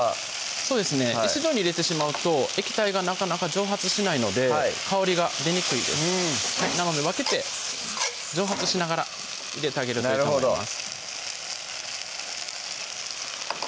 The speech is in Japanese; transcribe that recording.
そうですね一度に入れてしまうと液体がなかなか蒸発しないので香りが出にくいですなので分けて蒸発しながら入れてあげるといいと思います